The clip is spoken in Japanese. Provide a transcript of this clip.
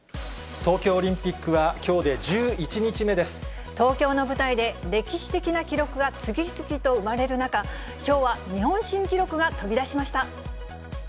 東京オリンピックはきょうで東京の舞台で歴史的な記録が次々と生まれる中、きょうは日本新記録が飛び出しました。